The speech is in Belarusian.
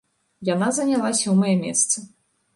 Яна заняла сёмае месца.